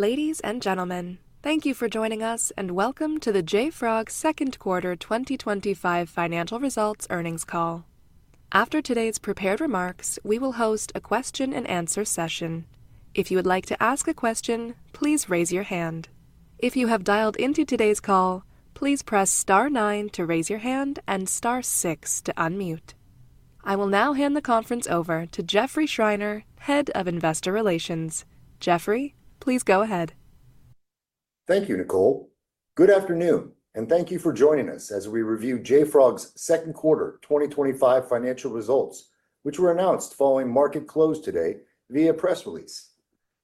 Ladies and gentlemen, thank you for joining us and welcome to the JFrog Second Quarter 2025 Financial Results Earnings Call. After today's prepared remarks, we will host a question-and-answer session. If you would like to ask a question, please raise your hand. If you have dialed into today's call, please press star nine to raise your hand and six to unmute. I will now hand the conference over to Jeffrey Schreiner, Head of Investor Relations. Jeffrey, please go ahead. Thank you, Nicole. Good afternoon and thank you for joining us as we review JFrog's Second Quarter 2025 Financial Results, which were announced following market close today via press release.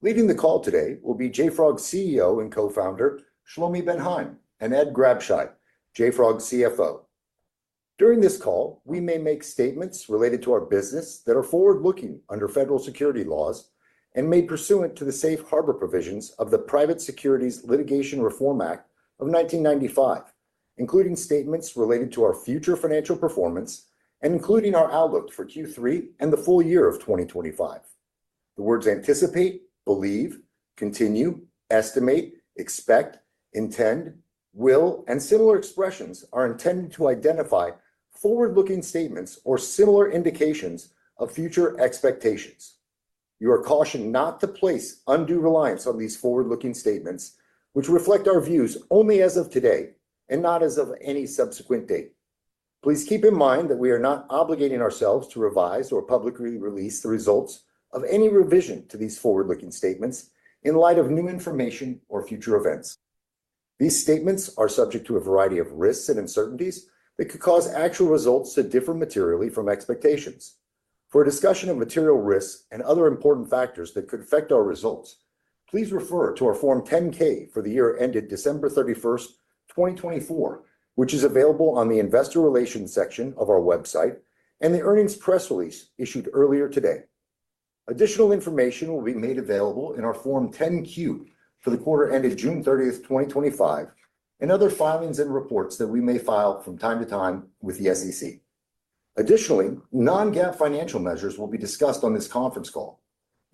Leading the call today will be JFrog's CEO and Co-Founder Shlomi Ben Haim and Ed Grabscheid, JFrog's CFO. During this call, we may make statements related to our business that are forward-looking under federal security laws and made pursuant to the safe harbor provisions of the Private Securities Litigation Reform Act of 1995, including statements related to our future financial performance and including our outlook for Q3 and the full year of 2025. The words anticipate, believe, continue, estimate, expect, intend, will, and similar expressions are intended to identify forward-looking statements or similar indications of future expectations. You are cautioned not to place undue reliance on these forward-looking statements, which reflect our views only as of today and not as of any subsequent date. Please keep in mind that we are not obligating ourselves to revise or publicly release the results of any revision to these forward-looking statements in light of new information or future events. These statements are subject to a variety of risks and uncertainties that could cause actual results to differ materially from expectations. For a discussion of material risks and other important factors that could affect our results, please refer to our Form 10-K for the year ended December 31st, 2024, which is available on the Investor Relations section of our website and the earnings press release issued earlier today. Additional information will be made available in our Form 10-Q for the quarter ended June 30th, 2025, and other filings and reports that we may file from time to time with the SEC. Additionally, non-GAAP financial measures will be discussed on this conference call.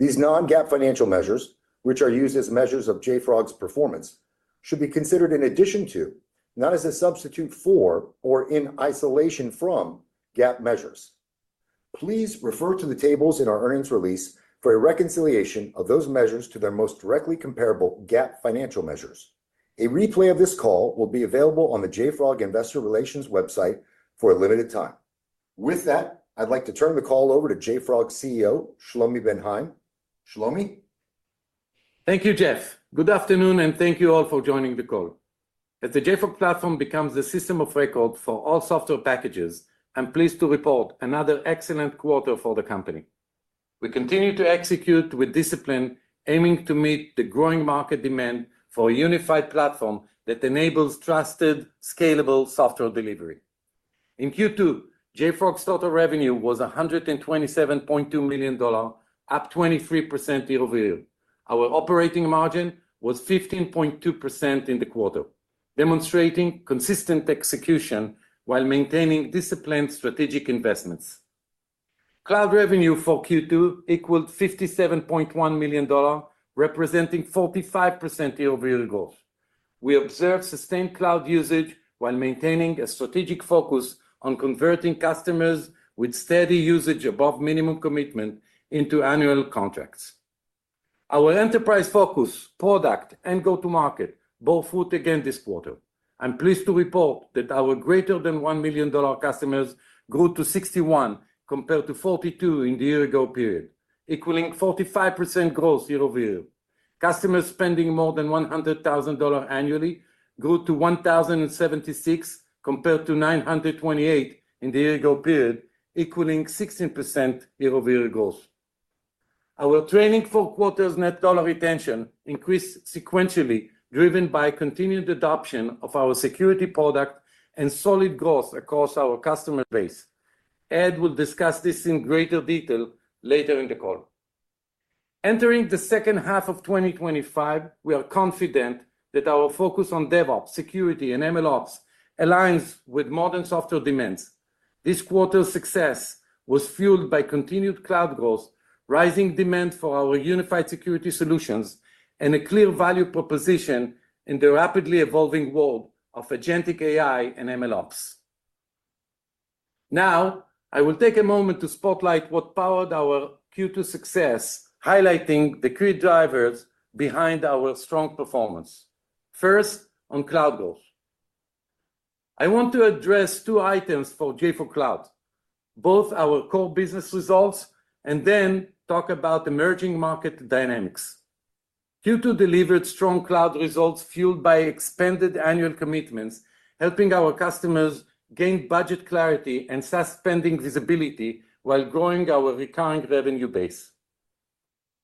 These non-GAAP financial measures, which are used as measures of JFrog's performance, should be considered in addition to, not as a substitute for or in isolation from, GAAP measures. Please refer to the tables in our earnings release for a reconciliation of those measures to their most directly comparable GAAP financial measures. A replay of this call will be available on the JFrog Investor Relations website for a limited time. With that, I'd like to turn the call over to JFrog's CEO Shlomi Ben Haim. Shlomi? Thank you Jeff. Good afternoon and thank you all for joining the call. As the JFrog Platform becomes the system of record for all software packages, I'm pleased to report another excellent quarter for the company. We continue to execute with discipline and aiming to meet the growing market demand for a unified platform that enables trusted, scalable software delivery. In Q2, JFrog's total revenue was $127.2 million, up 23% year-over-year. Our operating margin was 15.2% in the quarter, demonstrating consistent execution while maintaining disciplined strategic investments. Cloud revenue for Q2 equaled $57.1 million, representing 45% year-over-year growth. We observed sustained cloud usage while maintaining a strategic focus on converting customers with steady usage above minimum commitment into annual contracts. Our enterprise focus, product, and go-to-market bore fruit again this quarter. I'm pleased to report that our greater than $1 million customers grew to 61 compared to 42 in the year ago period, equaling 45% growth year-over-year. Customers spending more than $100,000 annually grew to 1,076 compared to 928 in the year ago period, equaling 16% year-over-year growth. Our trailing four-quarter net dollar retention increased sequentially, driven by continued adoption of our security product and solid growth across our customer base. Ed will discuss this in greater detail later in the call. Entering the second half of 2025, we are confident that our focus on DevOps, security, and MLOps aligns with modern software demands. This quarter's success was fueled by continued cloud growth, rising demand for our unified security solutions, and a clear value proposition in the rapidly evolving world of Agentic AI and MLOps. Now I will take a moment to spotlight what powered our Q2 success, highlighting the key drivers behind our strong performance. First, on cloud growth, I want to address two items for JFrog Cloud: both our core business results and then talk about emerging market dynamics. Q2 delivered strong cloud results fueled by expanded annual commitments, helping our customers gain budget clarity and SaaS spending visibility while growing our recurring revenue base.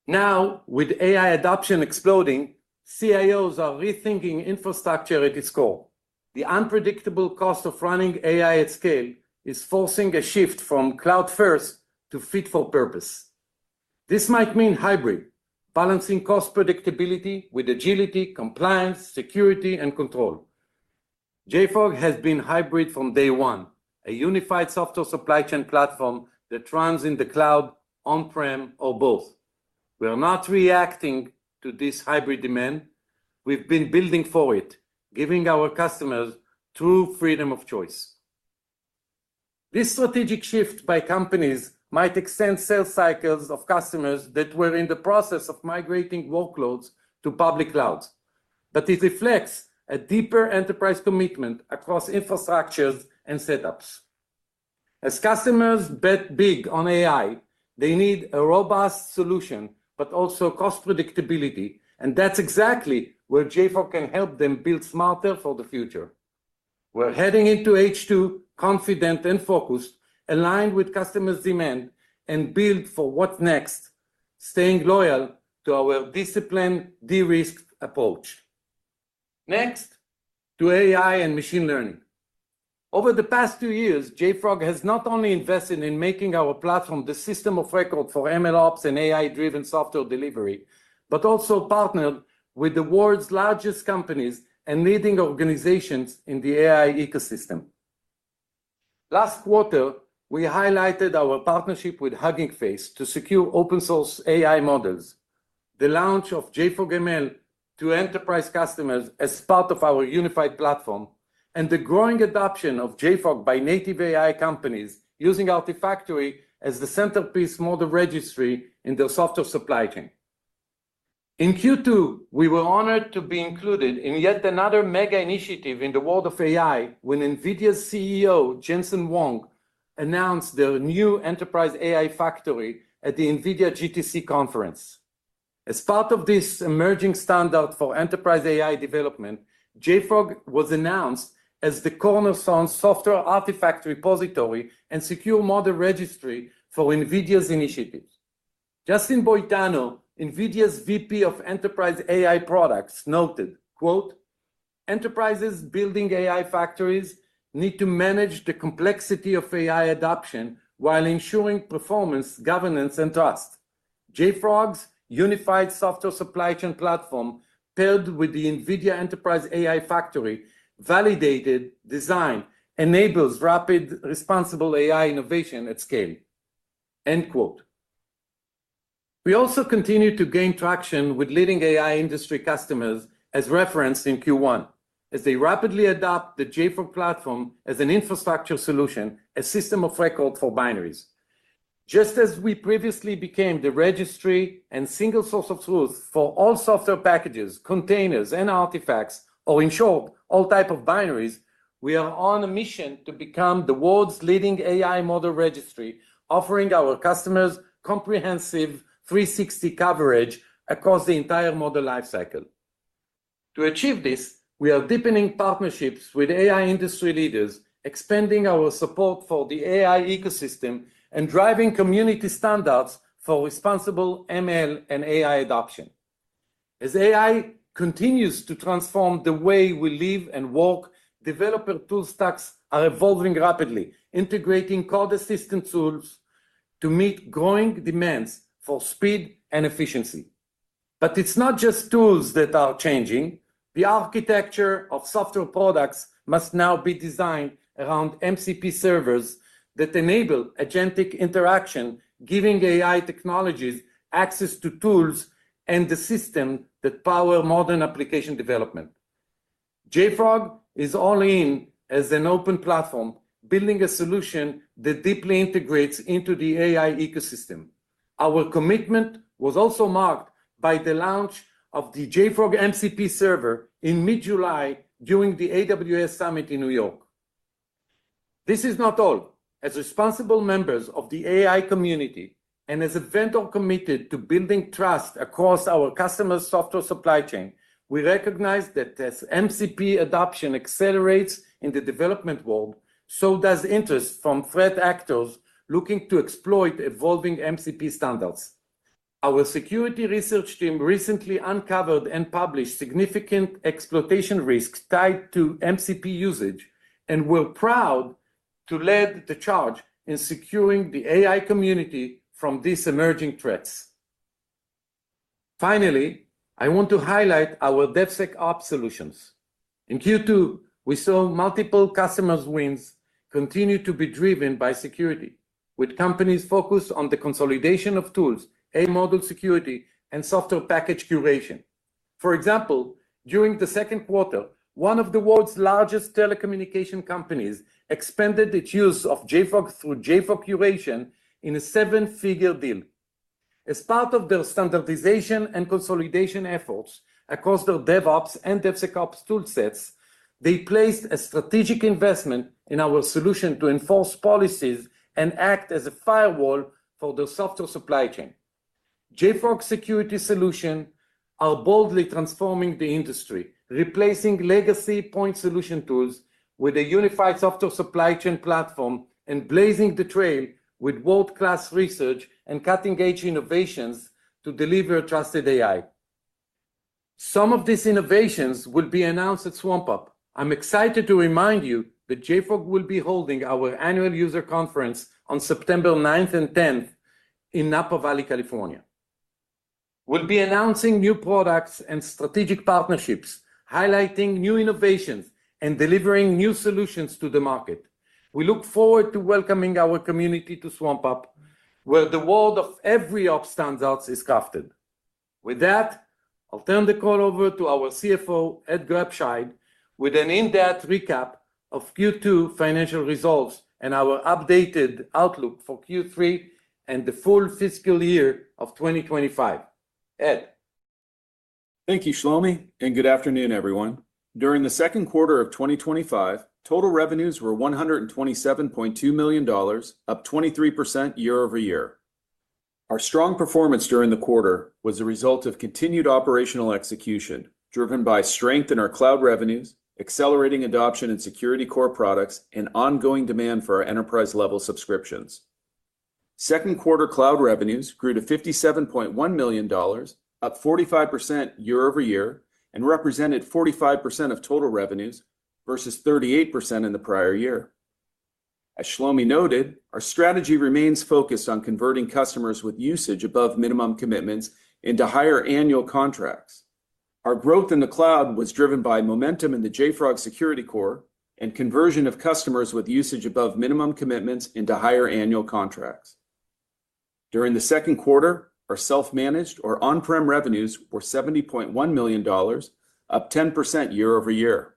Now, with AI adoption exploding, CIOs are rethinking infrastructure at its core. The unpredictable cost of running AI at scale is forcing a shift from cloud first to fit for purpose. This might mean hybrid, balancing cost predictability with agility, compliance, security, and control. JFrog has been hybrid from day one, a unified software supply chain platform that runs in the cloud, on-prem, or both. We are not reacting to this hybrid demand; we've been building for it, giving our customers true freedom of choice. This strategic shift by companies might extend sales cycles of customers that were in the process of migrating workloads to public clouds, but it reflects a deeper enterprise commitment across infrastructures and setups. As customers bet big on AI, they need a robust solution but also cost predictability. That's exactly where JFrog can help them build smarter for the future. We're heading into H2 confident and focused, aligned with customers' demand and built for what's next. Staying loyal to our disciplined de-risk approach next to AI and machine learning over the past two years, JFrog has not only invested in making our platform the system of record for MLOps and AI-driven software delivery, but also partnered with the world's largest companies and leading organizations in the AI ecosystem. Last quarter, we highlighted our partnership with Hugging Face to secure open source AI models, the launch of JFrog ML to enterprise customers as part of our unified platform, and the growing adoption of JFrog by native AI companies using Artifactory as the centerpiece model registry in their software supply chain. In Q2, we were honored to be included in yet another mega initiative in the world of AI when NVIDIA's CEO Jensen Huang announced their new Enterprise AI Factory at the NVIDIA GTC Conference. As part of this emerging standard for enterprise AI development, JFrog was announced as the cornerstone software artifact repository and secure model registry for NVIDIA's initiatives. Justin Boitano, NVIDIA's VP of Enterprise AI Products, noted, "Enterprises building AI factories need to manage the complexity of AI adoption while ensuring performance, governance, and trust. JFrog's unified software supply chain platform, paired with the NVIDIA Enterprise AI Factory validated design, enables rapid, responsible AI innovation at scale." We also continue to gain traction with leading AI industry customers as referenced in Q1 as they rapidly adopt the JFrog Platform as an infrastructure solution, a system of record for binaries just as we previously became the registry and single source of truth for all software packages, containers, and artifacts, or in short, all types of binaries. We are on a mission to become the world's leading AI model registry, offering our customers comprehensive 360 coverage across the entire model lifecycle. To achieve this, we are deepening partnerships with AI industry leaders, expanding our support for the AI ecosystem, and driving community standards for responsible ML and AI adoption. As AI continues to transform the way we live and work, developer tool stacks are evolving, rapidly integrating code assistant tools to meet growing demands for speed and efficiency. It's not just tools that are changing. The architecture of software products must now be designed around MCP servers that enable agentic interaction, giving AI technologies access to tools and the systems that power modern application development. JFrog is all in as an open platform, building a solution that deeply integrates into the AI ecosystem. Our commitment was also marked by the launch of the JFrog MCP server in mid-July during the AWS Summit in New York. This is not all. As responsible members of the AI community and as a vendor committed to building trust across our customers' software supply chain, we recognize that as MCP adoption accelerates in the development world, so does interest from threat actors looking to exploit evolving MCP standards. Our security research team recently uncovered and published significant exploitation risks tied to MCP usage, and we're proud to lead the charge in securing the AI community from these emerging threats. Finally, I want to highlight our DevSecOps solutions. In Q2, we saw multiple customer wins continue to be driven by security, with companies focused on the consolidation of tools, model security, and software package curation. For example, during the second quarter, one of the world's largest telecommunications companies expanded its use of JFrog through JFrog Curation in a seven-figure deal as part of their standardization and consolidation efforts across their DevOps and DevSecOps toolsets. They placed a strategic investment in our solution to enforce policies and act as a firewall for the software supply chain. JFrog security solutions are boldly transforming the industry, replacing legacy point solution tools with a unified software supply chain platform and blazing the trail with world-class research and cutting-edge innovations to deliver trusted AI. Some of these innovations will be announced at swampUP. I'm excited to remind you that JFrog will be holding our Annual User Conference on September 9th and 10th in Napa Valley, California. We'll be announcing new products and strategic partnerships, highlighting new innovations, and delivering new solutions to the market. We look forward to welcoming our community to swampUP, where the world of every op standards is crafted. With that, I'll turn the call over to our CFO, Ed Grabscheid, with an in-depth recap of Q2 financial results and our updated outlook for Q3 and the full fiscal year of 2025. Ed? Thank you Shlomi, and good afternoon everyone. During the second quarter of 2025, total revenues were $127.2 million, up 23% year-over-year. Our strong performance during the quarter was a result of continued operational execution, driven by strength in our cloud revenues, accelerating adoption and security core products, and ongoing demand for our enterprise-level subscriptions. Second quarter cloud revenues grew to $57.1 million, up 45% year-over-year, and represented 45% of total revenues versus 38% in the prior year. As Shlomi noted, our strategy remains focused on converting customers with usage above minimum commitments into higher annual contracts. Our growth in the cloud was driven by momentum in the JFrog Security Core and conversion of customers with usage above minimum commitments into higher annual contracts. During the second quarter, our self-managed or on-prem revenues were $70.1 million, up 10% year-over-year.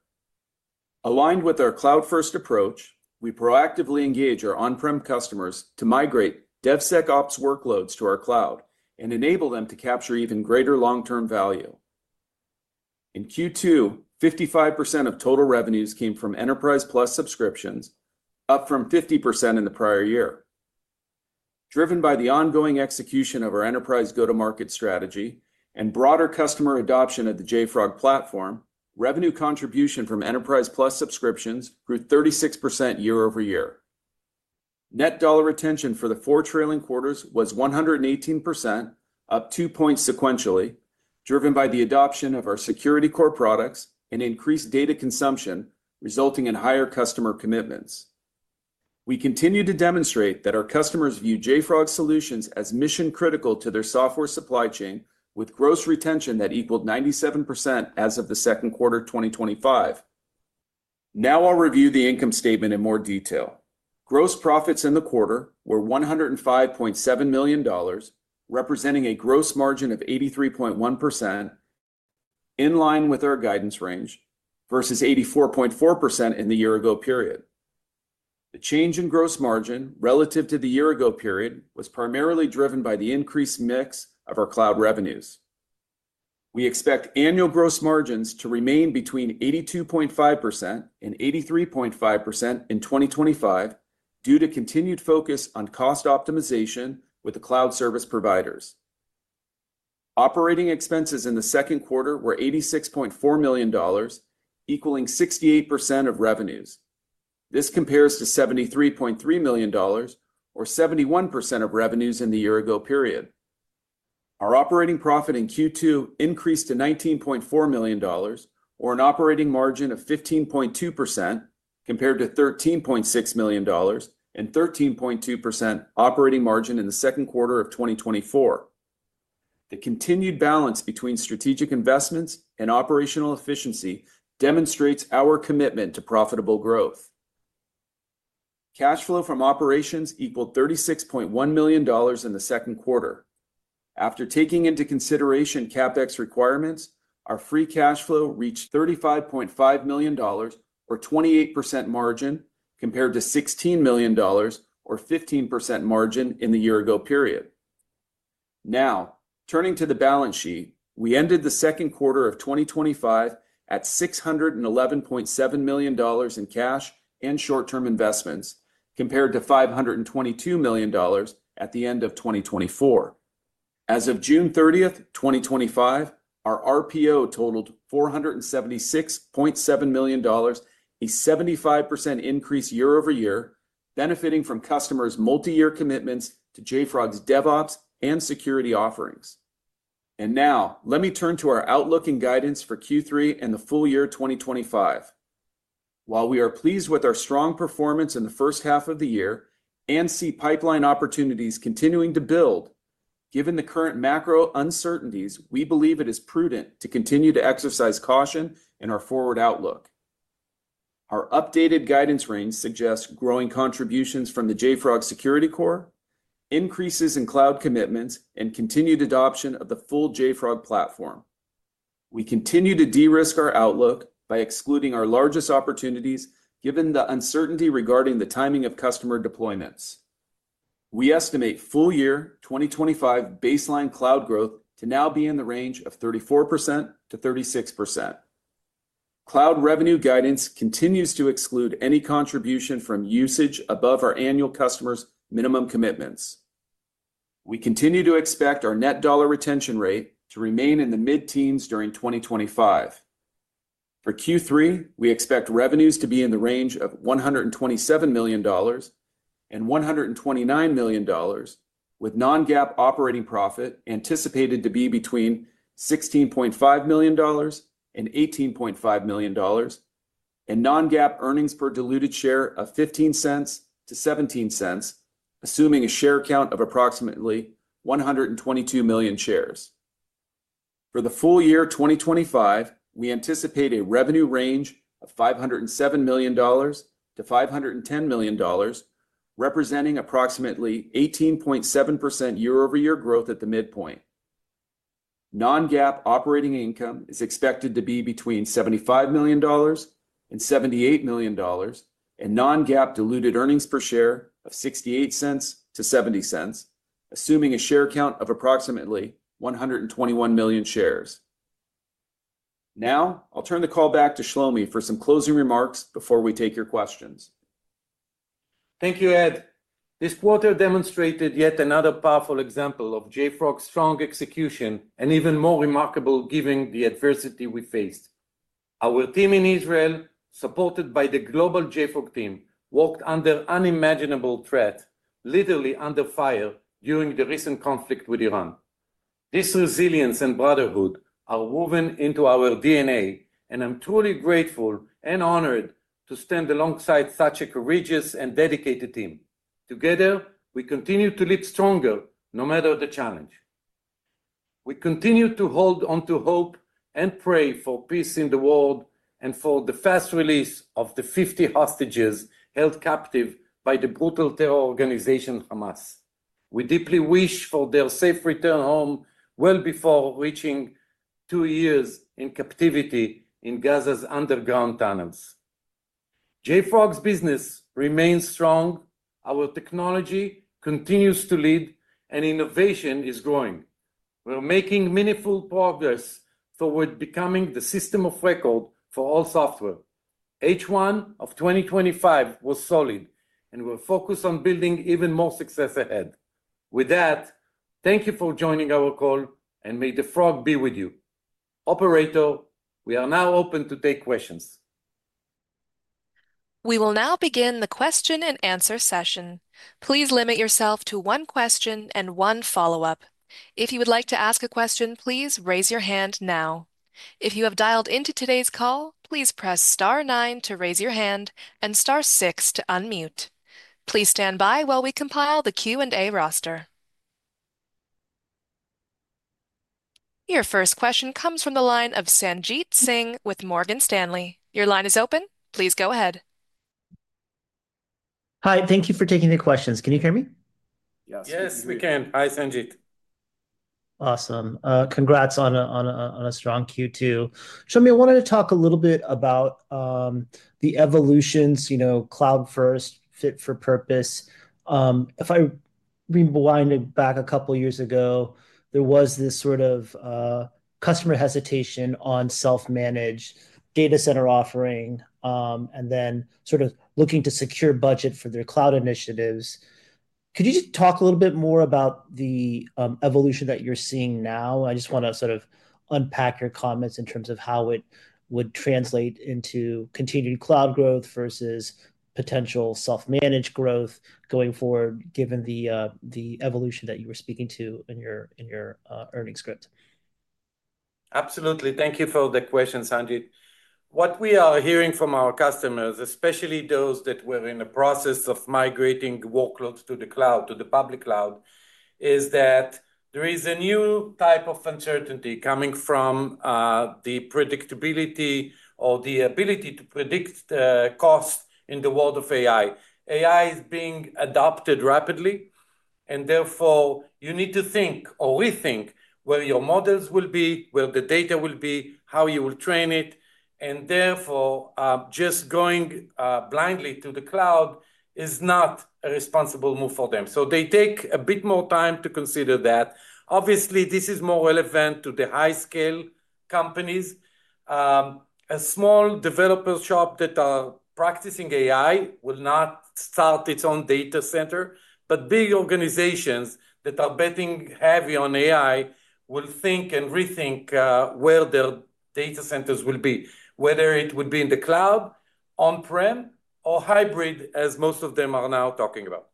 Aligned with our cloud-first approach, we proactively engage our on-prem customers to migrate DevSecOps workloads to our cloud and enable them to capture even greater long-term value. In Q2, 55% of total revenues came from Enterprise Plus subscriptions, up from 50% in the prior year, driven by the ongoing execution of our enterprise go-to-market strategy and broader customer adoption of the JFrog Platform. Revenue contribution from Enterprise Plus subscriptions grew 36% year-over-year. Net dollar retention for the four trailing quarters was 118%, up 2 points sequentially, driven by the adoption of our security core products and increased data consumption resulting in higher customer commitments. We continue to demonstrate that our customers view JFrog solutions as mission-critical to their software supply chain, with gross retention that equaled 97% as of the second quarter 2025. Now I'll review the income statement in more detail. Gross profits in the quarter were $105.7 million, representing a gross margin of 83.1% in line with our guidance range versus 84.4% in the year-ago period. The change in gross margin relative to the year-ago period was primarily driven by the increased mix of our cloud revenues. We expect annual gross margins to remain between 82.5% and 83.5% in 2025 due to continued focus on cost optimization with the cloud service providers. Operating expenses in the second quarter were $86.4 million, equaling 68% of revenues. This compares to $73.3 million, or 71% of revenues, in the year-ago period. Our operating profit in Q2 increased to $19.4 million, or an operating margin of 15.2%, compared to $13.6 million and a 13.2% operating margin in the second quarter of 2024. The continued balance between strategic investments and operational efficiency demonstrates our commitment to profitable growth. Cash flow from operations equaled $36.1 million in the second quarter. After taking into consideration CapEx requirements, our free cash flow reached $35.5 million, or a 28% margin, compared to $16 million, or a 15% margin, in the year-ago period. Now turning to the balance sheet, we ended the second quarter of 2025 at $611.7 million in cash and short-term investments compared to $522 million at the end of 2024. As of June 30th, 2025, our RPO totaled $476.7 million, a 75% increase year-over-year, benefiting from customers' multi-year commitments to JFrog's DevOps and security offerings. Now let me turn to our outlook and guidance for Q3 and the full year 2025. While we are pleased with our strong performance in the first half of the year and see pipeline opportunities continuing to build, given the current macro uncertainties, we believe it is prudent to continue to exercise caution in our forward outlook. Our updated guidance range suggests growing contributions from the JFrog Security Core, increases in cloud commitments, and continued adoption of the full JFrog Platform. We continue to de-risk our outlook by excluding our largest opportunities given the uncertainty regarding the timing of customer deployments. We estimate full year 2025 baseline cloud growth to now be in the range of 34%-36%. Cloud revenue guidance continues to exclude any contribution from usage above our annual customers' minimum commitments. We continue to expect our net dollar retention rate to remain in the mid-teens during 2025. For Q3, we expect revenues to be in the range of $127 million and $129 million, with non-GAAP operating profit anticipated to be between $16.5 million and $18.5 million, and non-GAAP earnings per diluted share of $0.15-$0.17, assuming a share count of approximately 122 million shares. For the full year 2025, we anticipate a revenue range of $507 million-$510 million, representing approximately 18.7% year-over-year growth. At the midpoint, non-GAAP operating income is expected to be between $75 million and $78 million, and non-GAAP diluted earnings per share of $0.68-$0.70, assuming a share count of approximately 121 million shares. Now I'll turn the call back to Shlomi for some closing remarks before we take your questions. Thank you, Ed. This quarter demonstrated yet another powerful example of JFrog's strong execution, and even more remarkable given the adversity we faced. Our team in Israel, supported by the global JFrog team, worked under unimaginable threat, literally under fire during the recent conflict with Iran. This resilience and brotherhood are woven into our DNA, and I'm truly grateful and honored to stand alongside such a courageous and dedicated team. Together, we continue to live stronger, no matter the challenge. We continue to hold onto hope and pray for peace in the world and for the fast release of the 50 hostages held captive by the brutal terror organization Hamas. We deeply wish for their safe return home well before reaching two years in captivity in Gaza's underground tunnels. JFrog's business remains strong, our technology continues to lead, and innovation is growing. We're making meaningful progress toward becoming the system of record for all software. H1 of 2025 was solid, and we're focused on building even more success ahead. With that, thank you for joining our call, and may the frog be with you. Operator, we are now open to take questions. We will now begin the question-and-answer session. Please limit yourself to one question and one follow-up. If you would like to ask a question, please raise your hand. If you have dialed into today's call, please press star nine to raise your hand and star six to unmute. Please stand by while we compile the Q&A roster. Your first question comes from the line of Sanjit Singh with Morgan Stanley. Your line is open. Please go ahead. Hi, thank you for taking the questions. Can you hear me? Yes, yes we can. Hi Sanjit. Awesome. Congrats on a strong Q2. Shlomi, I wanted to talk a little bit about the evolutions. You know, cloud first, fit for purpose. If I rewind back a couple years ago, there was this sort of customer hesitation on self-managed data center offering and then sort of looking to secure budget for their cloud initiatives. Could you just talk a little bit more about the evolution that you're seeing now? I just want to sort of unpack your comments in terms of how it would translate into continued cloud growth versus potential self-managed growth going forward, given the evolution that you were speaking to in your earnings script. Absolutely. Thank you for the question, Sanjit. What we are hearing from our customers, especially those that were in the process of migrating workloads to the cloud, to the public cloud, is that there is a new type of uncertainty coming from the predictability or the ability to predict costs in the world of AI. AI is being adopted rapidly, and therefore you need to think or rethink where your models will be, where the data will be, how you will train it. Just going blindly to the cloud is not a responsible move for them. They take a bit more time to consider that. Obviously, this is more relevant to the high-scale companies. A small developer shop that are practicing AI will not start its own data center. Big organizations that are betting heavy on AI will think and rethink where their data centers will be, whether it would be in the cloud, on-prem, or hybrid as most of them are now talking about.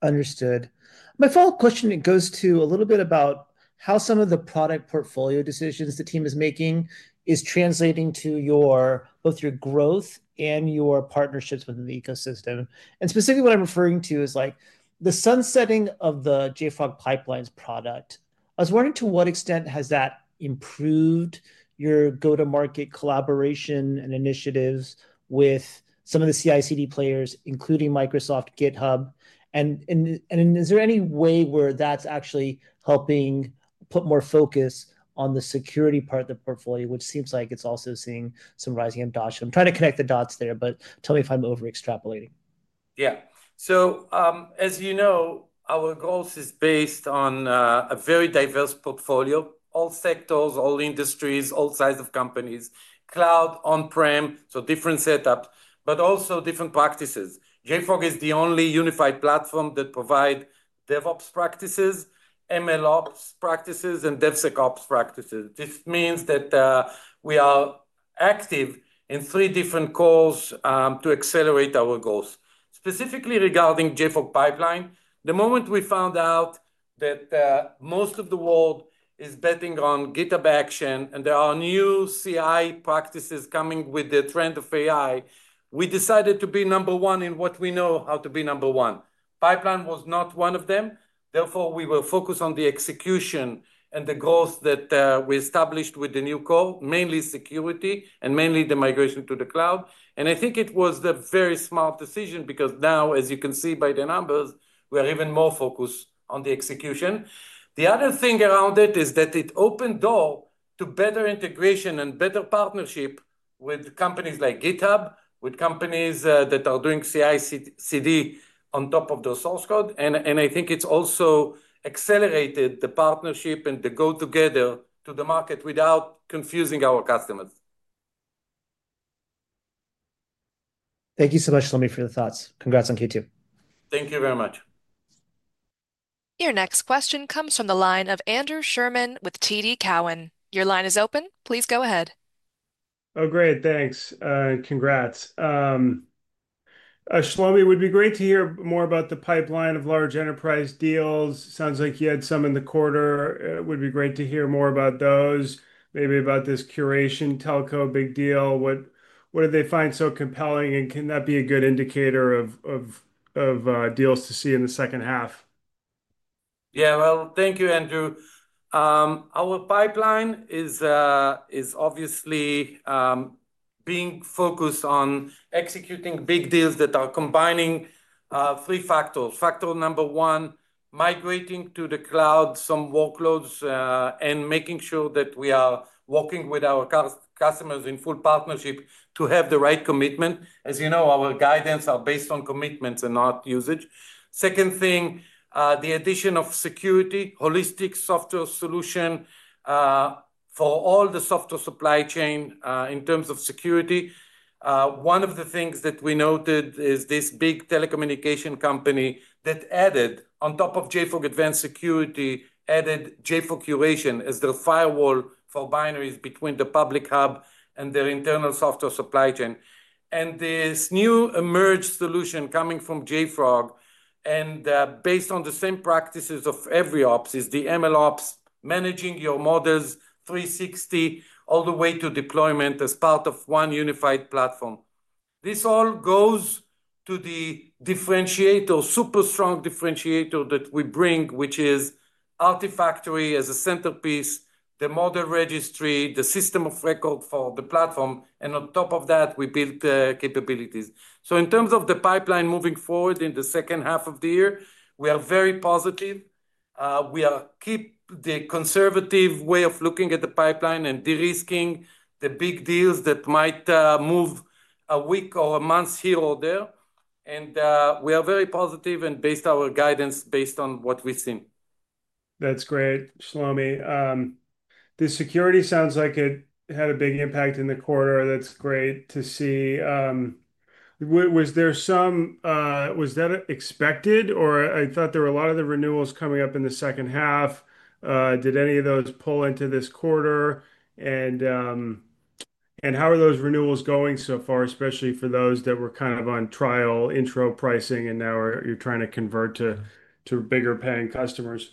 Understood. My follow-up question, it goes to a little bit about how some of the product portfolio decisions the team is making is translating to both your growth and your partnerships within the ecosystem. Specifically, what I'm referring to is like the sunsetting of the JFrog Pipelines product. I was wondering to what extent has that improved your go-to-market collaboration and initiatives with some of the CI/CD players including Microsoft, GitHub, and is there any way where that's actually helping put more focus on the security part of the portfolio, which seems like it's also seeing some rising adoption. I'm trying to connect the dots there, but tell me if I'm over extrapolating. Yeah. As you know, our growth is based on a very diverse portfolio, all sectors, all industries, all sizes of companies, cloud, on-prem. Different setups but also different practices. JFrog is the only unified platform that provides DevOps practices, MLOps practices, and DevSecOps practices. This means that we are active in three different calls to accelerate our goals. Specifically regarding JFrog Pipelines, the moment we found out that most of the world is betting on GitHub Actions and there are new CI/CD practices coming with the trend of AI, we decided to be number one in what we know how to be number one. Pipelines was not one of them. Therefore, we were focused on the execution and the growth that we established with the new core, mainly security and mainly the migration to the cloud. I think it was a very smart decision because now, as you can see by the numbers, we are even more focused on the execution. The other thing around it is that it opened the door to better integration and better partnership with companies like GitHub, with companies that are doing CI/CD on top of the source code. I think it's also accelerated the partnership and the go together to the market without confusing our customers. Thank you so much, Shlomi, for the thoughts. Congrats on Q2. Thank you very much. Your next question comes from the line of Andrew Sherman with TD Cowen. Your line is open. Please go ahead. Oh great. Thanks. Congrats Shlomi. It would be great to hear more about the pipeline of large enterprise deals. Sounds like you had some in the quarter. It would be great to hear more about those. Maybe about this Curation telco big deal. What did they find so compelling, and can that be a good indicator of deals to see in the second half? Thank you, Andrew. Our pipeline is obviously being focused on executing big deals that are combining three factors. Factor number one, migrating to the cloud, some workloads and making sure that we are working with our customers in full partnership to have the right commitment. As you know, our guidance are based on commitments and not usage. Second thing, the addition of security holistic software solution for all the software supply chain. In terms of security, one of the things that we noted is this big telecommunication company that added on top of JFrog Advanced Security, added JFrog Curation as the firewall for binaries between the public hub and their internal software supply chain. This new emerge solution coming from JFrog and based on the same practices of every Ops is the MLOps managing your models 360 all the way to deployment as part of one unified platform. This all goes to the differentiator, super strong differentiator that we bring which is Artifactory as a centerpiece, the model registry, the system of record for the platform and on top of that we built capabilities. In terms of the pipeline moving forward in the second half of the year, we are very positive. We keep the conservative way of looking at the pipeline and de-risking the big deals that might move a week or a month here or there. We are very positive and based our guidance based on what we've seen. That's great, Shlomi. The security sounds like it had a big impact in the quarter. That's great to see. Was that expected, or I thought there were a lot of the renewals coming up in the second half. Did any of those pull into this quarter, and how are those renewals going so far? Especially for those that were kind of on trial intro pricing and now you're trying to convert to bigger paying customers.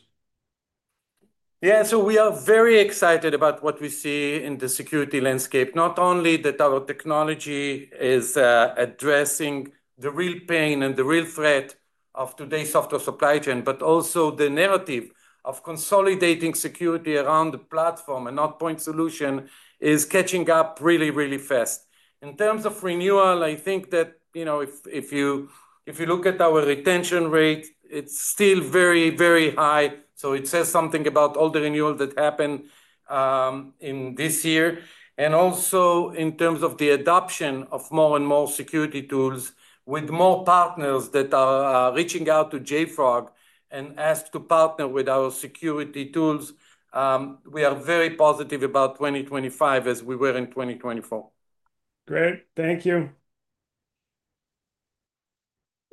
Yeah. We are very excited about what we see in the security landscape. Not only that our technology is addressing the real pain and the real threat of today's software supply chain, but also the narrative of consolidating security around the platform and not point solution is catching up really, really fast. In terms of renewal, I think that, you know, if you look at our retention rate, it's still very, very high. It says something about all the renewal that happened in this year. Also, in terms of the adoption of more and more security tools with more partners that are reaching out to JFrog and ask to partner with our security tools, we are very positive about 2025 as we were in 2024. Great, thank you.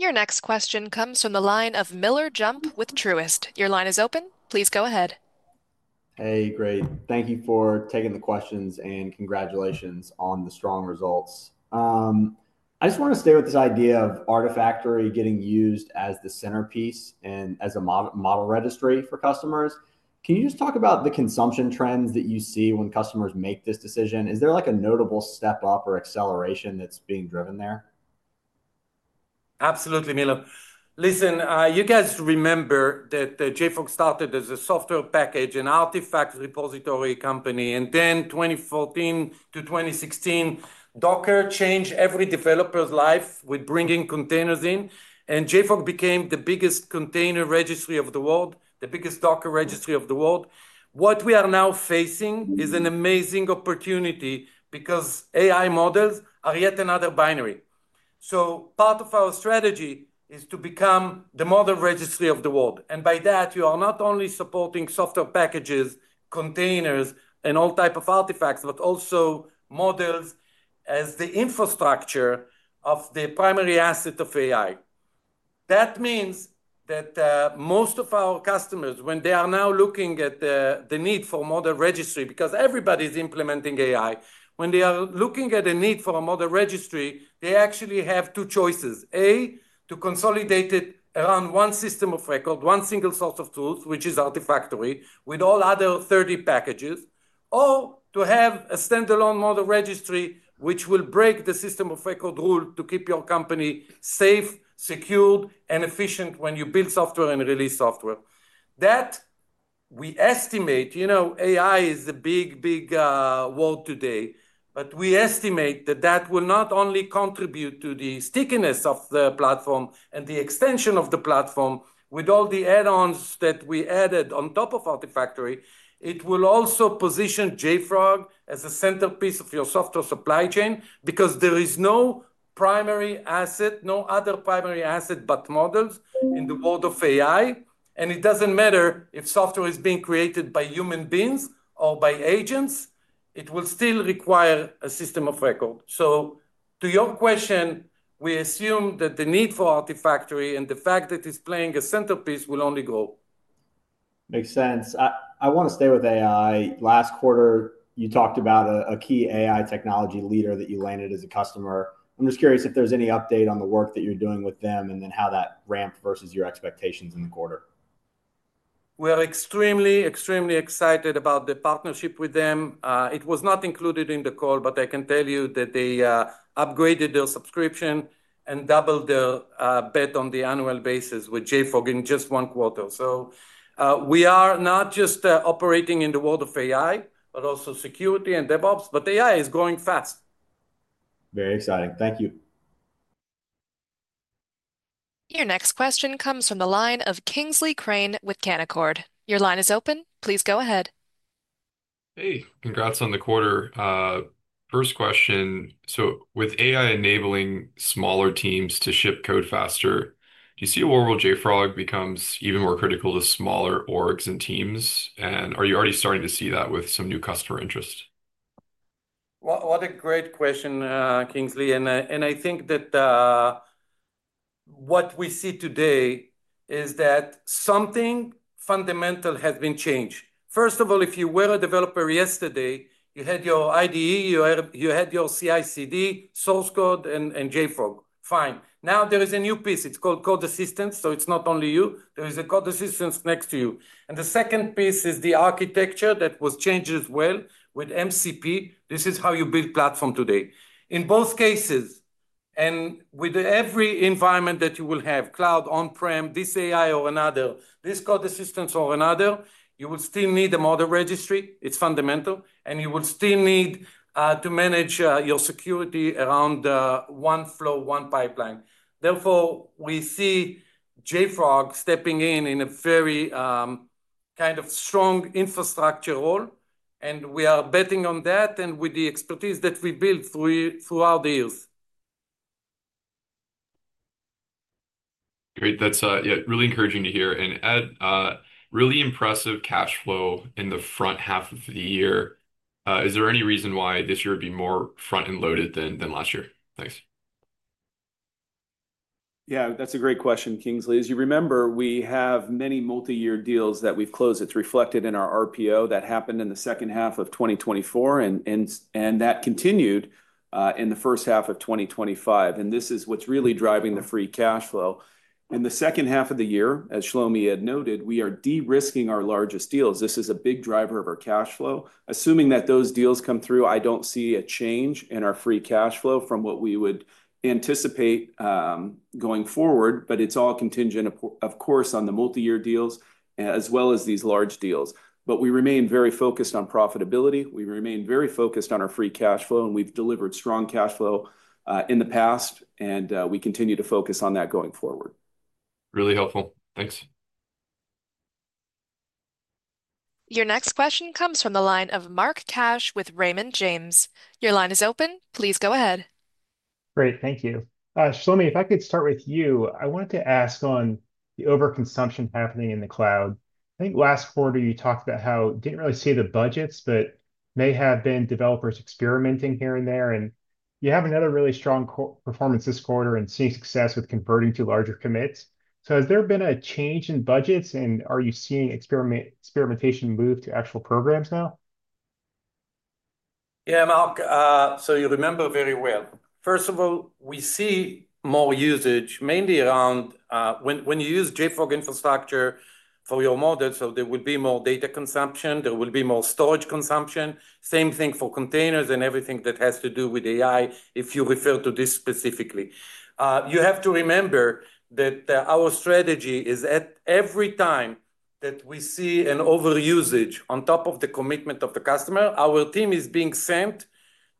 Your next question comes from the line of Miller Jump with Truist. Your line is open. Please go ahead. Hey, great. Thank you for taking the questions, and congratulations on the strong results. I just want to stay with this idea of Artifactory getting used as the centerpiece and as a model registry for customers. Can you just talk about the consumption? Trends that you see when customers make this decision? Is there a notable step-up or acceleration that's being driven there? Absolutely, Miller. Listen, you guys remember that JFrog started as a software package, an artifact repository company, and then 2014 to 2016 Docker changed every developer's life with bringing containers in. JFrog became the biggest container registry of the world, the biggest Docker registry of the world. What we are now facing is an amazing opportunity because AI models are yet another binary. Part of our strategy is to become the model registry of the world. By that, you are not only supporting software packages, containers, and all types of artifacts, but also models as the infrastructure of the primary asset of AI. That means that most of our customers, when they are now looking at the need for model registry, because everybody's implementing AI, when they are looking at a need for a model registry, they actually have two choices. A, to consolidate it around one system of record, one single source of truth, which is Artifactory with all other 30 packages, or to have a stand-alone model registry which will break the system of record rule to keep your company safe, secured, and efficient. When you build software and release software, we estimate, you know, AI is a big, big world today, but we estimate that that will not only contribute to the stickiness of the platform and the extension of the platform with all the add-ons that we added on top of Artifactory, it will also position JFrog as a centerpiece of your software supply chain because there is no primary asset, no other primary asset but models in the world of AI. It doesn't matter if software is being created by human beings or by agents, it will still require a system of record. To your question, we assume that the need for Artifactory and the fact that it's playing a centerpiece will only grow. Makes sense. I want to stay with AI. Last quarter you talked about a key AI technology leader that you landed as a customer. I'm just curious if there's any update on the work that you're doing with them, and then how that ramped versus your expectations in the quarter. We are extremely, extremely excited about the partnership with them. It was not included in the call, but I can tell you that they upgraded their subscription and doubled their bet on the annual basis with JFrog in just one quarter. We are not just operating in the world of AI, but also security and DevOps. AI is growing fast. Very exciting, thank you. Your next question comes from the line of Kingsley Crane with Canaccord. Your line is open, please go ahead. Hey, congrats on the quarter. First question. With AI enabling smaller teams to ship code faster, do you see a world JFrog becomes even more critical to smaller orgs and teams? Are you already starting to see that with some new customer interest? What a great question, Kingsley. I think that what we see today is that something fundamental has been changed. First of all, if you were a developer yesterday, you had your IDE, you had your CI/CD, source code, and JFrog. Fine. Now there is a new piece, it's called code assistance. It's not only you, there is a code assistance next to you. The second piece is the architecture that was changed as well. With MCP, this is how you build platform today in both cases and with every environment that you will have, cloud, on-prem, this AI or another, this code assistant or another, you will still need a model registry. It's fundamental. You will still need to manage your security around one flow, one pipeline. Therefore, we see JFrog stepping in in a very kind of strong infrastructure role, and we are betting on that with the expertise that we build throughout the years. Great. That's really encouraging to hear. Ed, really impressive cash flow in the front half of the year. Is there any reason why this year would be more front-end loaded than last year? Thanks. Yeah, that's a great question, Kingsley. As you remember, we have many multi-year deals that we've closed. It's reflected in our RPO that happened in the second half of 2024 and that continued in the first half of 2025. This is what's really driving the free cash flow in the second half of the year. As Shlomi had noted, we are de-risking our largest deals. This is a big driver of our cash flow. Assuming that those deals come through, I don't see a change in our free cash flow from what we would anticipate going forward. It's all contingent, of course, on the multi-year deals as well as these large deals. We remain very focused on profitability, we remain very focused on our free cash flow, and we've delivered strong cash flow in the past and we continue to focus on that going forward. Really helpful, thanks. Your next question comes from the line of Mark Cash with Raymond James. Your line is open. Please go ahead. Great, thank you. Shlomi, if I could start with you, I wanted to ask on the over consumption happening in the cloud. I think last quarter you talked about how you didn't really see the budgets, but may have been developers experimenting here and there, and you have another really strong performance this quarter and seeing success with converting to larger commits. Has there been a change in budgets, and are you seeing experimentation move to actual programs now? Yeah, Mark, you remember very well. First of all, we see more usage mainly around when you use JFrog infrastructure for your model. There would be more data consumption, there will be more storage consumption. Same thing for containers and everything that has to do with AI. If you refer to this specifically, you have to remember that our strategy is at every time that we see an over usage on top of the commitment of the customer, our team is being sent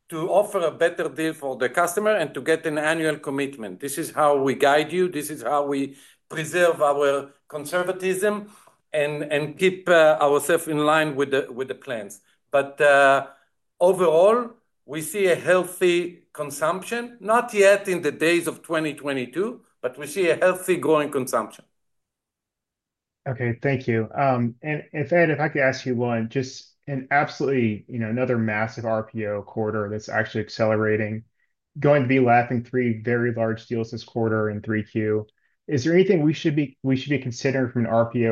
to offer a better deal for the customer and to get an annual commitment. This is how we guide you. This is how we preserve our conservatism and keep ourselves in line with the plans. Overall, we see a healthy consumption. Not yet in the days of 2022, but we see a healthy growing consumption. Okay, thank you. If I could ask you one, just an absolutely another massive RPO quarter that's actually accelerating, going to be lapping three very large deals this quarter. In 3Q, is there anything we should be considering from an RPO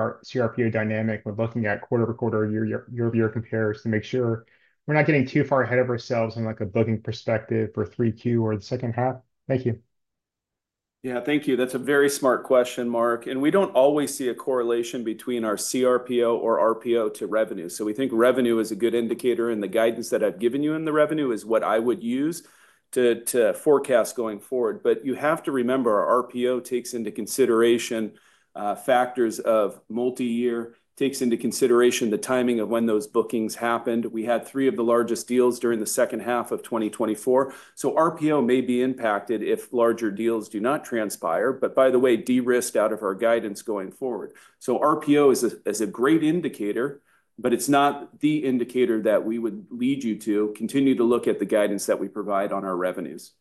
or cRPO dynamic when looking at quarter-over-quarter or year-over-year compares to make sure we're not getting too far ahead of ourselves in a booking perspective for 3Q or the second half? Thank you. Yeah, thank you. That's a very smart question, Mark. We don't always see a correlation between our cRPO or RPO to revenue. We think revenue is a good indicator, and the guidance that I've given you in the revenue is what I would use to forecast going forward. You have to remember our RPO takes into consideration factors of multi-year, takes into consideration the timing of when those bookings happened. We had three of the largest deals during the second half of 2024, so RPO may be impacted if larger deals do not transpire. By the way, de-risked out of our guidance going forward. RPO is a great indicator, but it's not the indicator that we would lead you to. Continue to look at the guidance that we provide on our revenues.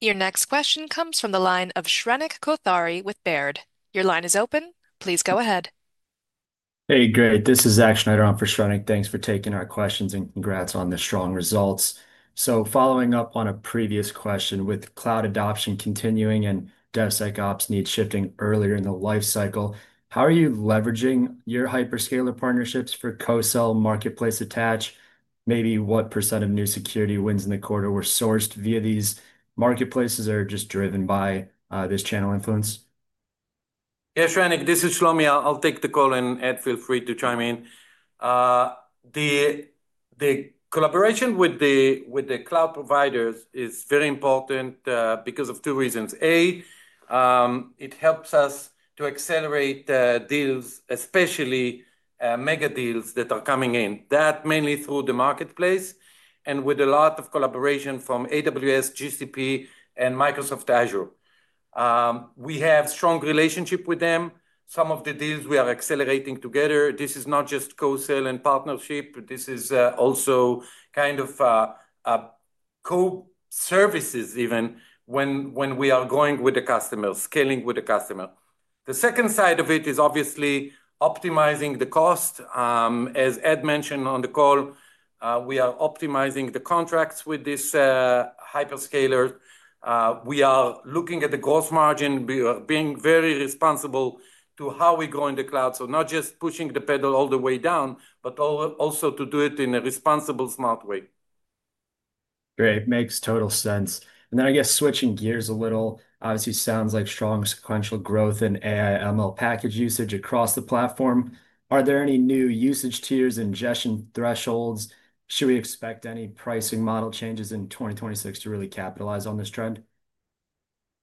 Your next question comes from the line of Shrenik Kothari with Baird. Your line is open. Please go ahead. Hey, great. This is Zach Schneider on for Shrenik. Thanks for taking our questions and congrats on the strong results. Following up on a previous question, with cloud adoption continuing and DevSecOps needs shifting earlier in the lifecycle, how are you leveraging your hyperscaler partnerships for co-sell marketplace attach? Maybe what percent of new security wins in the quarter were sourced via these marketplaces or just driven by this channel influence? Yeah Shrenik, this is Shlomi, I'll take the call and Ed, feel free to chime in. The collaboration with the cloud providers is very important because of two reasons. A, it helps us to accelerate deals, especially megadeals that are coming in mainly through the marketplace and with a lot of collaboration from AWS, GCP, and Microsoft Azure. We have strong relationships with them. Some of the deals we are accelerating together. This is not just co-sell and partnership, this is also kind of co-services. Even when we are going with the customer, scaling with the customer, the second side of it is obviously optimizing the cost. As Ed mentioned on the call, we are optimizing the contracts with this hyperscaler. We are looking at the gross margin, being very responsible to how we go in the cloud. Not just pushing the pedal all the way down but also to do it in a responsible, smart way. Great. Makes total sense. I guess switching gears. It obviously sounds like strong sequential growth in AI/ML package usage across the platform. Are there any new usage tiers, ingestion thresholds? Should we expect any pricing model changes in 2026 to really capitalize on this trend?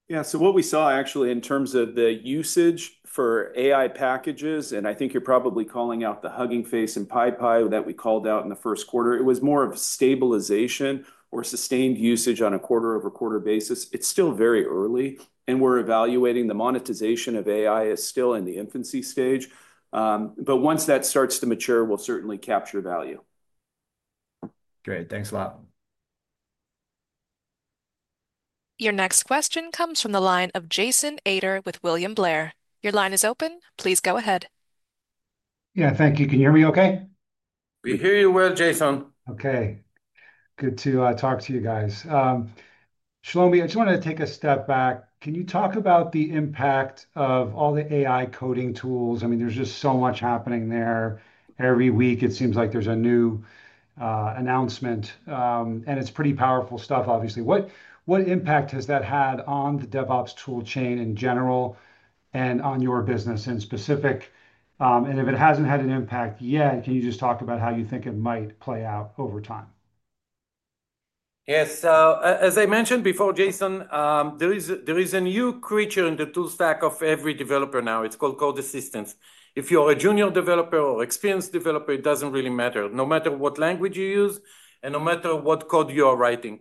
Yeah, what we saw actually in terms of the usage for AI packages, and I think you're probably calling out the Hugging Face and PyPI that we called out in the first quarter, it was more of stabilization or sustained usage on a quarter-over-quarter basis. It's still very early, and we're evaluating. The monetization of AI is still in the infancy stage, but once that starts to mature, we'll certainly capture value. Great, thanks a lot. Your next question comes from the line of Jason Ader with William Blair. Your line is open. Please go ahead. Thank you. Can you hear me okay? We hear you well, Jason. Okay, good to talk to you guys. Shlomi, I just want to take a step back. Can you talk about the impact of all the AI coding tools? I mean, there's just so much happening there. Every week it seems like there's a new announcement and it's pretty powerful stuff, obviously. What impact has that had on the DevOps toolchain in general and on your business in specific? If it hasn't had an impact yet, can you just talk about how you think it might play out over time? Yes. As I mentioned before, Jason, there is a new creature in the tool stack of every developer now. It's called code assistance. If you're a junior developer or experienced developer, it doesn't really matter. No matter what language you use and no matter what code you are writing,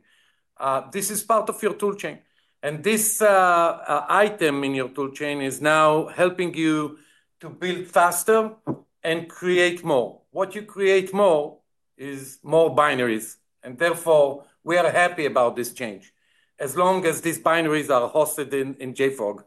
this is part of your toolchain. This item in your toolchain is now helping you to build faster and create more. What you create more is more binaries, and therefore we are happy about this change as long as these binaries are hosted in JFrog.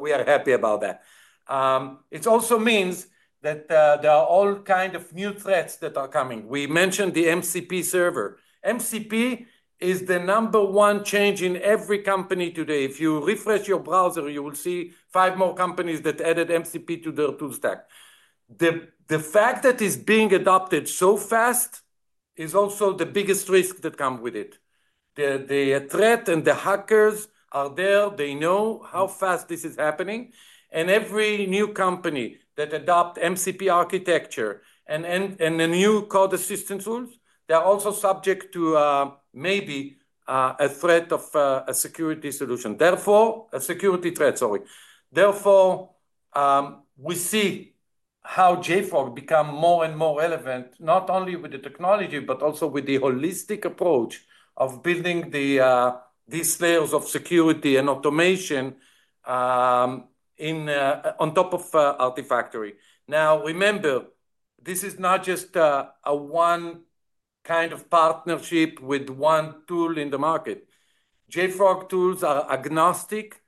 We are happy about that. It also means that there are all kinds of new threats that are coming. We mentioned the MCP server. MCP is the number one change in every company today. If you refresh your browser, you will see five more companies that added MCP to their tool stack. The fact that it's being adopted so fast is also the biggest risk that comes with it. The threat and the hackers are there. They know how fast this is happening. Every new company that adopts MCP architecture and the new code assistance rules, they're also subject to maybe a threat of a security solution, security threat. Sorry. Therefore, we see how JFrog becomes more and more relevant not only with the technology, but also with the holistic approach of building these layers of security and automation on top of Artifactory. Now remember, this is not just a one kind of partnership with one tool in the market. JFrog tools are agnostic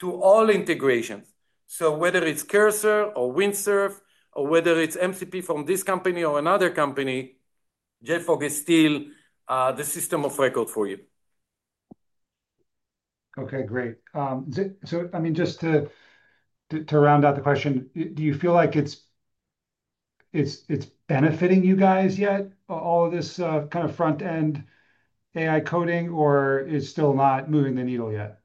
to all integrations. Whether it's Cursor or Windsurf or whether it's MCP from this company or another company, JFrog is still the system of record for you. Okay, great. Just to round out the question, do you feel like it's benefiting you guys yet, all of this kind of front-end AI coding, or is it still not moving the needle yet?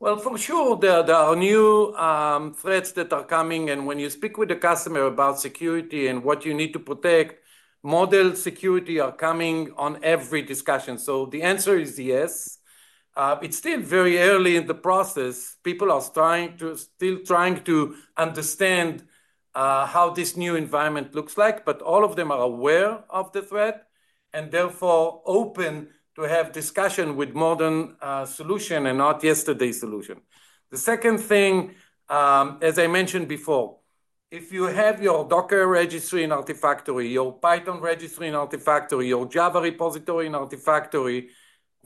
There are new threats that are coming, and when you speak with the customer about security and what you need to protect, model security is coming up in every discussion. The answer is yes. It's still very early in the process. People are still trying to understand how this new environment looks, but all of them are aware of the threat and therefore open to have discussion with modern solution and not yesterday solution. The second thing, as I mentioned before, if you have your Docker registry in Artifactory, your Python registry in Artifactory, your Java repository in Artifactory,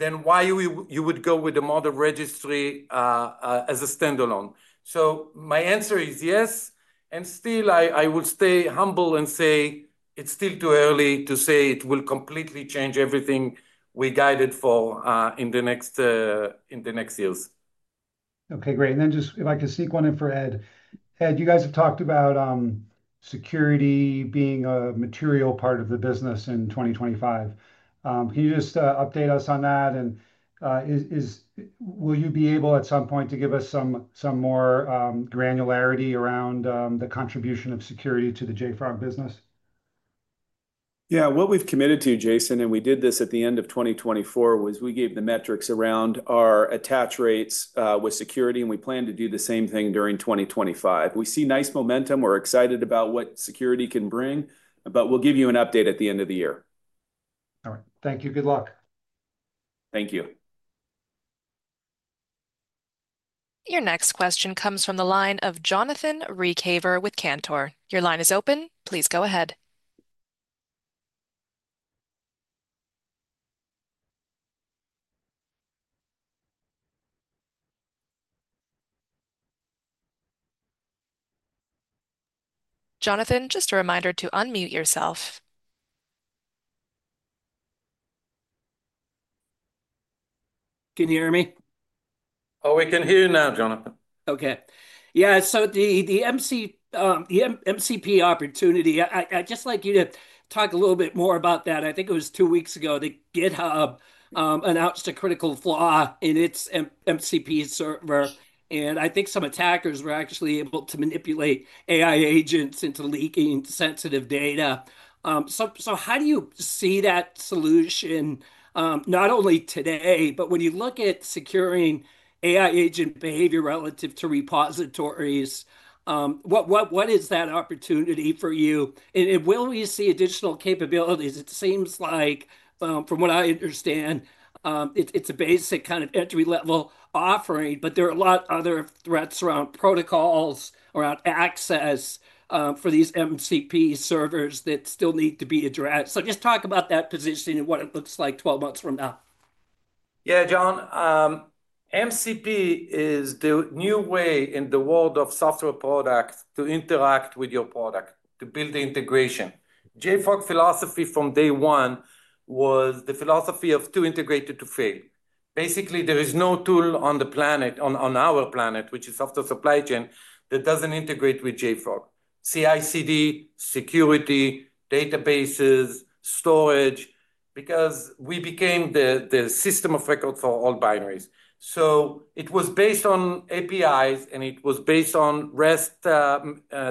then why would you go with the model registry as a stand-alone? My answer is yes. I will stay humble and say it's still too early to say. It will completely change everything we guided for in the next years. Okay, great. If I could seek one in for Ed. Ed, you guys have talked about security being a material part of the business in 2025. Can you just update us on that, and will you be able at some point to give us some more granularity around the contribution of security to the JFrog business? Yeah. What we've committed to Jason, and we did this at the end of 2024, was we gave the metrics around our attach rates with security, and we plan to do the same thing during 2025. We see nice momentum. We're excited about what security can bring, and we'll give you an update at the end of the year. All right, thank you. Good luck. Thank you. Your next question comes from the line of Jonathan Ruykhaver with Cantor. Your line is open. Please go ahead. Jonathan, just a reminder to unmute yourself. Can you hear me? Oh, we can hear you now, Jonathan. Okay. Yeah, the MCP opportunity, I'd just like you to talk a little bit more about that. I think it was two weeks ago that GitHub announced a critical flaw in its MCP server. I think some attackers were actually able to manipulate AI agents into leaking sensitive data. How do you see that solution not only today, but when you look at securing AI agent behavior relative to repositories, what is that opportunity for you and will we see additional capabilities? It seems like, from what I understand, it's a basic kind of entry-level offering, but there are a lot of other threats around protocols, around access for these MCP servers that still need to be addressed. Just talk about that positioning and what it looks like 12 months from now. Yeah. Jon, MCP is the new way in the world of software products to interact with your product to build the integration. JFrog philosophy from day one was the philosophy of too integrated to fail. Basically, there is no tool on the planet, on our planet, which is software supply chain, that doesn't integrate with JFrog, CI/CD, security, databases, storage, because we became the system of record for all binaries. It was based on APIs and it was based on REST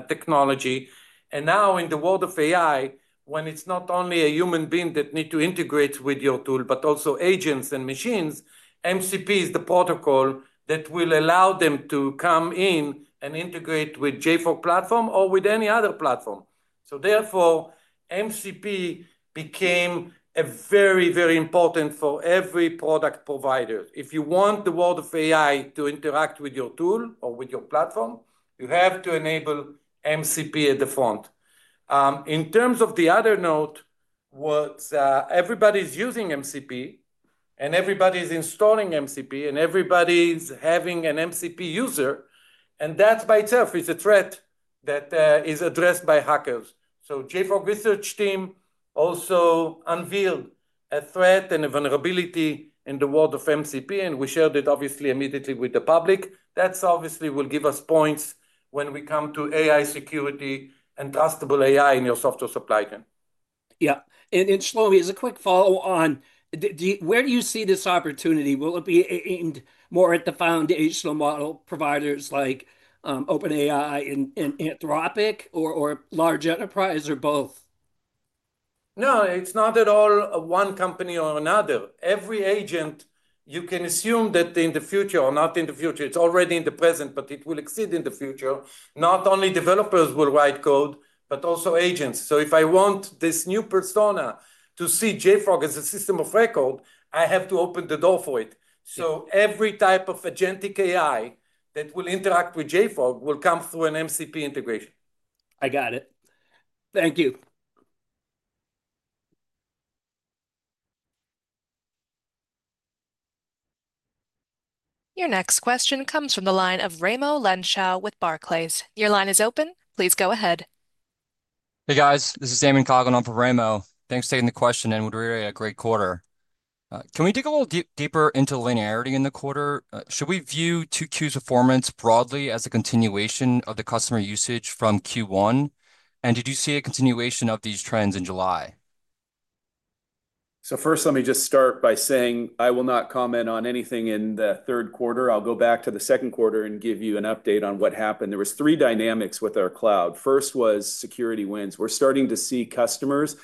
technology. Now in the world of AI, when it's not only a human being that needs to integrate with your tool, but also agents and machines, MCP is the protocol that will allow them to come in and integrate with JFrog Platform or with any other platform. Therefore, MCP became very, very important for every product provider. If you want the world of AI to interact with your tool or with your platform, you have to enable MCP at the front. In terms of the other note, everybody's using MCP and everybody's installing MCP and everybody's having an MCP user. That by itself is a threat that is addressed by hackers. JFrog research team also unveiled a threat and a vulnerability in the world of MCP and we shared it obviously immediately with the public. That obviously will give us points when we come to AI security and trustable AI in your software supply chain. Yeah, and Shlomi, as a quick follow-on, where do you see this opportunity? Will it be aimed more at the foundational model providers like OpenAI, Anthropic or large enterprise, or both? No, it's not at all one company or another. Every agent, you can assume that in the future, or not in the future, it's already in the present, but it will exceed in the future. Not only developers will write code, but also agents. If I want this new persona to see JFrog as a system of record, I have to open the door for it. Every type of Agentic AI that will interact with JFrog will come through an MCP integration. I got it, thank you. Your next question comes from the line of Raimo Lenschow with Barclays. Your line is open. Please go ahead. Hey guys, this is Eamon Coughlin, I'm from Raimo. Thanks for taking the question. We're at a great quarter. Can we dig a little deeper into linearity in the quarter? Should we view 2Q's performance broadly as a continuation of the customer usage from Q1? Did you see a continuation of these trends in July? First, let me just start by saying I will not comment on anything in the third quarter. I'll go back to the second quarter and give you an update on what happened. There were three dynamics with our cloud. First was security wins. We're starting to see customers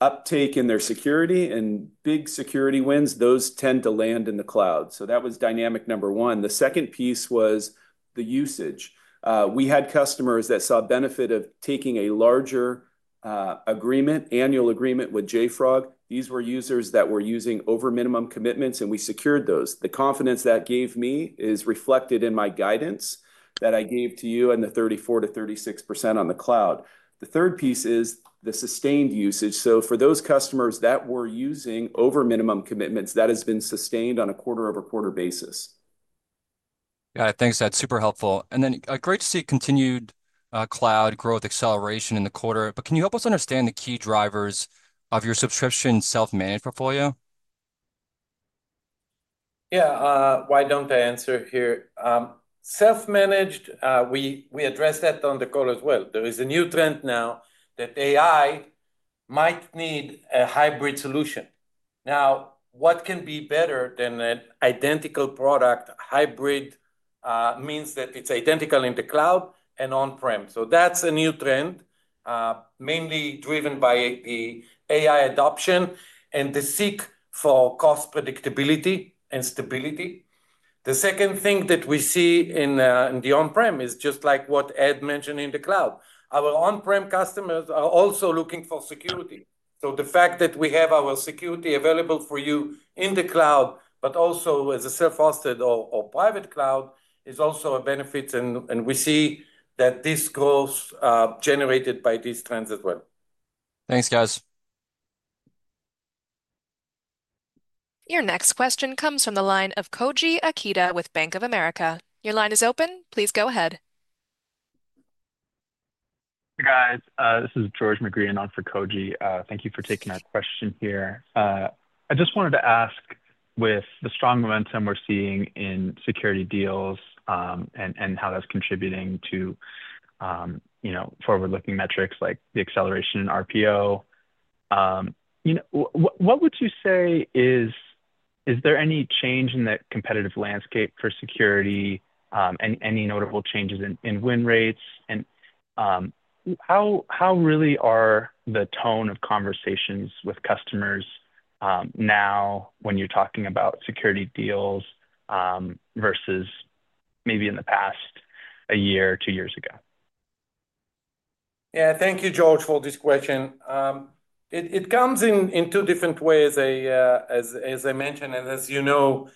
uptake in their security and big security wins. Those tend to land in the cloud, so that was dynamic number one. The second piece was the usage. We had customers that saw benefit of taking a larger agreement, annual agreement with JFrog. These were users that were using over minimum commitments and we secured those. The confidence that gave me is reflected in my guidance that I gave to you and the 34%-36% on the cloud. The third piece is the sustained usage. For those customers that were using over minimum commitments, that has been sustained on a quarter-over-quarter basis. Yeah, thanks, that's super helpful and great to see continued cloud growth acceleration in the quarter. Can you help us understand the key drivers of your subscription self-managed portfolio? Yeah, why don't I answer here? Self-managed. We address that on the call as well. There is a new trend now that AI might need a hybrid solution. What can be better than an identical product? Hybrid means that it's identical in the cloud and on-prem. That's a new trend mainly driven by the AI adoption and the seek for cost predictability and stability. The second thing that we see in the on-prem is just like what Ed mentioned in the cloud, our on-prem customers are also looking for security. The fact that we have our security available for you in the cloud, but also as a self-hosted or private cloud, is also a benefit and we see that this growth is generated by these trends as well. Thanks guys. Your next question comes from the line of Koji Ikeda with Bank of America. Your line is open. Please go ahead. This is George McGreehan on for Koji. Thank you for taking that question. I just wanted to ask, with the strong momentum we're seeing in security deals and how that's contributing to forward-looking metrics like the acceleration in RPO, what would you say, is there any change in that competitive landscape for security? Any notable changes in win rates? How really are the tone of conversations with customers now when you're talking about security deals versus maybe in the past a year, two years ago? Yeah, thank you, George, for this question. It comes in two different ways as I mentioned, and as you know,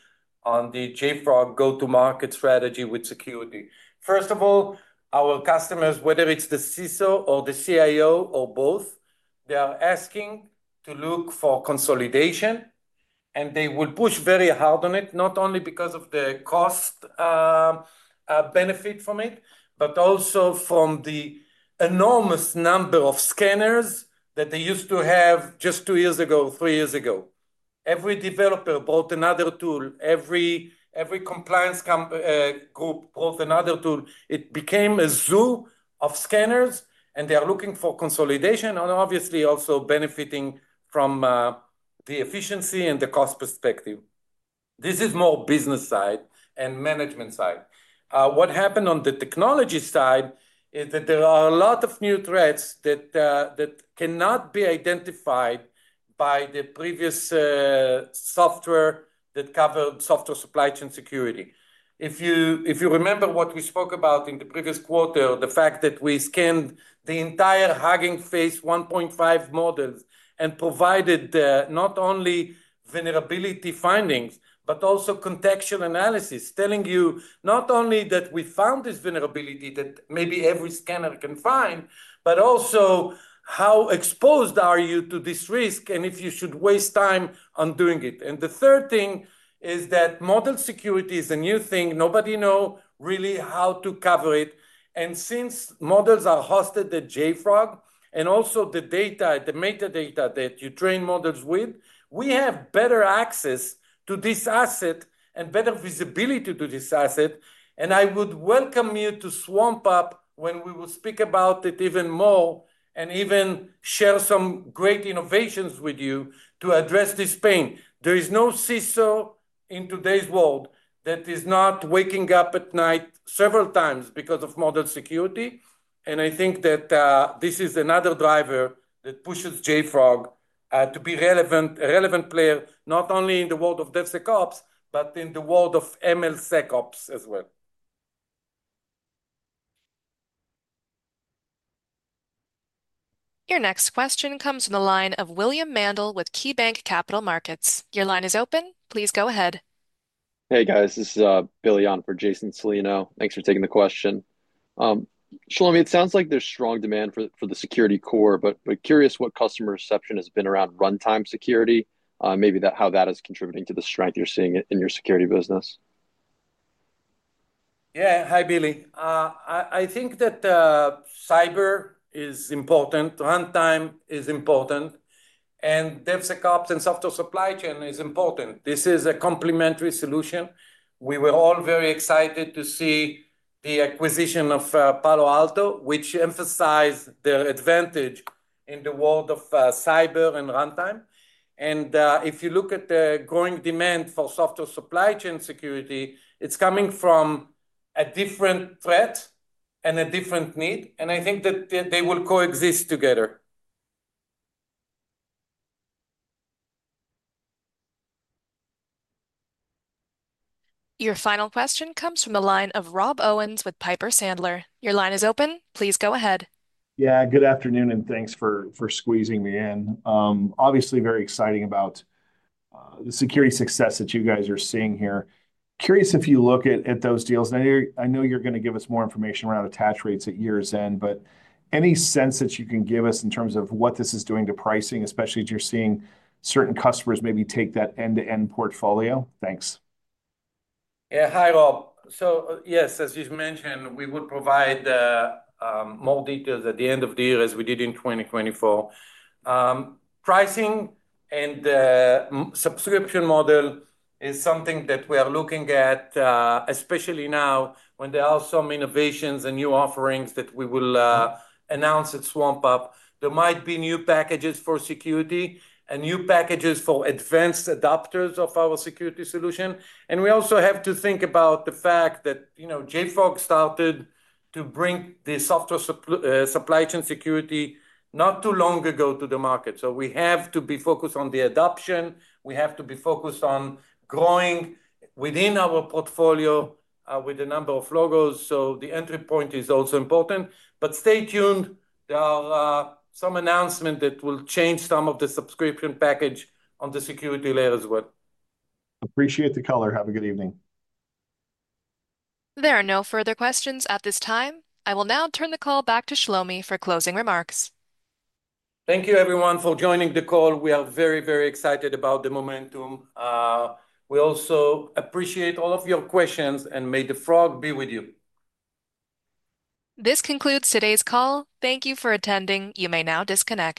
on the JFrog go-to-market strategy with security. First of all, our customers, whether it's the CISO or the CIO or both, are asking to look for consolidation, and they will push very hard on it, not only because of the cost benefit from it, but also from the enormous number of scanners that they used to have just two years ago, three years ago. Every developer brought another tool, every compliance group brought another tool. It became a zoo of scanners, and they are looking for consolidation and obviously also benefiting from the efficiency and the cost perspective. This is more business side and management side. What happened on the technology side is that there are a lot of new threats that cannot be identified by the previous software that covered software supply chain security. If you remember what we spoke about in the previous quarter, the fact that we scanned the entire Hugging Face 1.5 models and provided not only vulnerability findings but also contextual analysis, telling you not only that we found this vulnerability that maybe every scanner can find, but also how exposed are you to this risk and if you should waste time on doing it. The third thing is that model security is a new thing. Nobody really knows how to cover it. Since models are hosted at JFrog and also the data, the metadata that you train models with, we have better access to this asset and better visibility to this asset. I would welcome you to swampUP when we will speak about it even more and even share some great innovations with you to address this pain. There is no CISO in today's world that is not waking up at night several times because of model security. I think that this is another driver that pushes JFrog to be a relevant player not only in the world of DevSecOps but in the world of MLSecOps as well. Your next question comes from the line of William Mandl with KeyBanc Capital Markets. Your line is open. Please go ahead. Hey guys, this is Billy on for. Jason Celino. Thanks for taking the question, Shlomi. It sounds like there's strong demand for. The security core, but curious what customer reception has been around runtime security. Maybe how that is contributing to the strength you're seeing in your security business. Hi Billy. I think that cyber is important, runtime is important, and DevSecOps and software supply chain is important. This is a complementary solution. We were all very excited to see the acquisition of Palo Alto, which emphasized their advantage in the world of cyber and runtime. If you look at the growing demand for software supply chain security, it's coming from a different threat and a different need, and I think that they will coexist together. Your final question comes from the line of Rob Owens with Piper Sandler. Your line is open. Please go ahead. Yeah, good afternoon and thanks for squeezing me in. Obviously very exciting about the security success that you guys are seeing here. Curious if you look at those deals, I know you're going to give us more information around attach rates at year's end, but any sense that you can give us in terms of what this is doing to pricing, especially as you're seeing certain customers maybe take that end-to-end portfolio. Thanks. Yeah. Hi Rob. Yes, as you mentioned, we would provide more details at the end of the year as we did in 2024. Pricing and subscription model is something that we are looking at, especially now when there are some innovations and new offerings that we will announce at swampUP. There might be new packages for security and new packages for advanced adopters of our security solution. We also have to think about the fact that, you know, JFrog started to bring the software supply chain security not too long ago to the market. We have to be focused on the adoption. We have to be focused on growing within our portfolio with a number of logos. The entry point is also important. Stay tuned. There are some announcements that will change some of the subscription package on the security layers as well. Appreciate the color. Have a good evening. There are no further questions at this time. I will now turn the call back to Shlomi for closing remarks. Thank you everyone for joining the call. We are very, very excited about the momentum. We also appreciate all of your questions, and may the frog be with you. This concludes today's call. Thank you for attending. You may now disconnect.